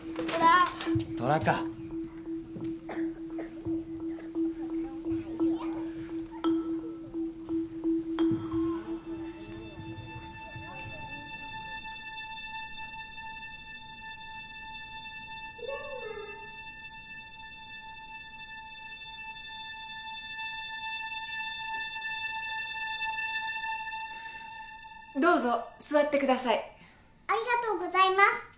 ありがとうございます。